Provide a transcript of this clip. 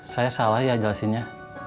saya salah ya jelasinnya